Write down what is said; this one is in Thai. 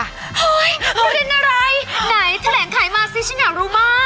เฮ้ยหนูเรียนอะไรไหนแถลงขายมาสิฉันอยากรู้มาก